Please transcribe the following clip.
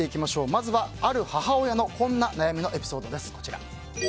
まずはある母親のこんな悩みのエピソード。